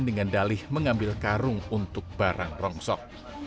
dengan dalih mengambil karung untuk barang rongsok